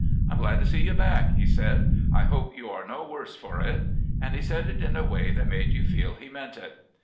* I'm glad to see you back,' he said. ' I hope you are no worse for it.' And he said it in a way that made you feel he meant it.